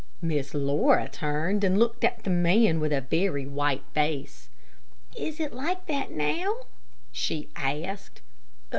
Miss Laura turned and looked at the man with a very white face. "Is it like that now?" she asked.